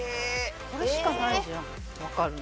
これしかないじゃんわかるの。